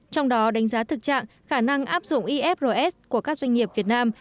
trong đó đánh giá thực trạng khả năng áp dụng ifrs của các doanh nghiệp việt nam